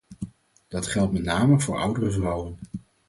Dat geldt met name voor oudere vrouwen.